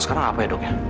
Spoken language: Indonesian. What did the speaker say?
sekarang apa ya dok ya